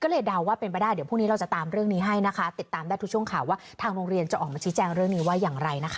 และทุกช่วงข่าวว่าทางโรงเรียนจะออกมาชี้แจงเรื่องนี้ว่าอย่างไร